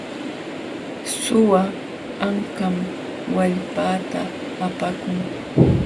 Suwa ankam wallpaata apakun.